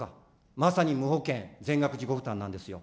まさに無保険、全額自己負担なんですよ。